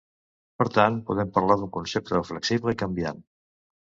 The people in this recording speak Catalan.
Per tant, podem parlar d'un concepte flexible i canviant.